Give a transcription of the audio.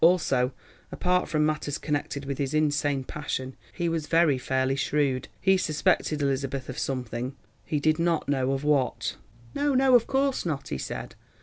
Also, apart from matters connected with his insane passion, he was very fairly shrewd. He suspected Elizabeth of something, he did not know of what. "No, no, of course not," he said.